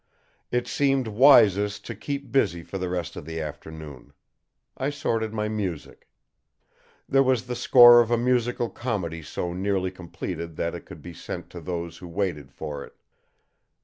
It seemed wisest to keep busy for the rest of the afternoon. I sorted my music. There was the score of a musical comedy so nearly completed that it could be sent to those who waited for it.